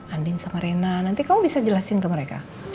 andin sama rena nanti kamu bisa jelasin ke mereka